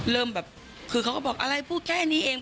เริ่มแบบคือเขาก็บอกอะไรพูดแค่นี้เอง